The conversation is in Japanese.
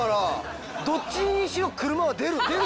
どっちにしろ車は出る。